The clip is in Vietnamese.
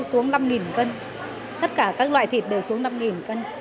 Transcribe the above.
xuống năm cân tất cả các loại thịt đều xuống năm cân